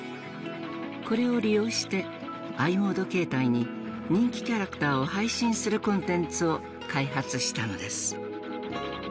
これを利用してｉモード携帯に人気キャラクターを配信するコンテンツを開発したのです。